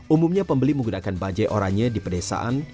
umumnya pembeli menggunakan bajai oranye di pedesaan